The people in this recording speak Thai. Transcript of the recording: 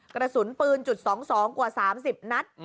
กระสุนปืนจุด๒๒กว่า๓๐นัด